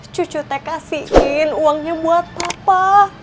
cucu teh kasihin uangnya buat papa